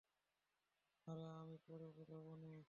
আরে, আমি পরে বুঝাবো নে।